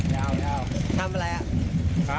ยาวทำอะไรอ่ะ